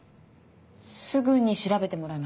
すぐに調べてもらいます。